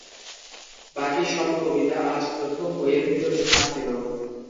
বাকী সব কবিতা আজ প্রথম বইয়ের ভিতর স্থান পেল।